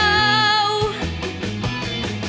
เพราะตัวฉันเพียงไม่อาทัม